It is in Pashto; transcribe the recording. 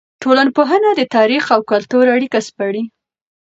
ټولنپوهنه د تاریخ او کلتور اړیکه سپړي.